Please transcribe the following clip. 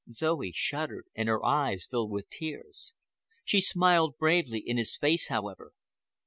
Zoe shuddered, and her eyes filled with tears. She smiled bravely in his face, however.